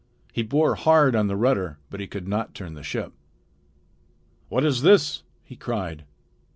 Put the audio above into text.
He bore hard on the rudder, but he could not turn the ship. "What is this?" he cried.